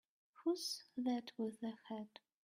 Who's that with the hat?